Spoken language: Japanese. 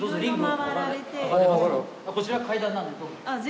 こちら階段なんでどうぞ。